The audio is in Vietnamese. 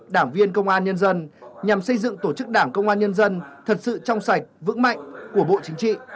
đảng viên công an nhân dân nhằm xây dựng tổ chức đảng công an nhân dân thật sự trong sạch vững mạnh của bộ chính trị